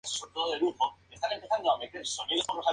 Muchas celebridades eran invitadas de manera regular al programa.